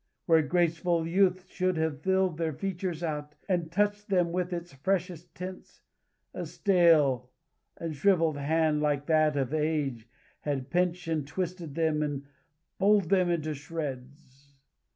Where graceful youth should have filled their features out, and touched them with its freshest tints, a stale and shriveled hand, like that of age, had pinched, and twisted them, and pulled them into shreds.